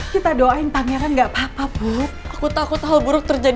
sampai jumpa di video selanjutnya